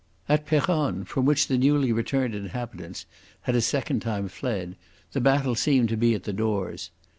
At Peronne, from which the newly returned inhabitants had a second time fled, the battle seemed to be at the doors.